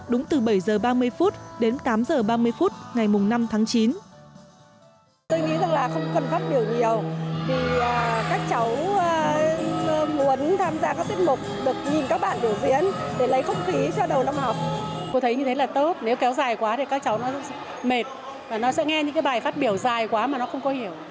đúng từ bảy h ba mươi đến tám h ba mươi ngày năm tháng chín